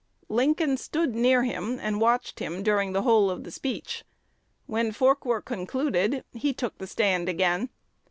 Lincoln stood near him, and watched him during the whole of his speech. When Forquer concluded, he took the stand again.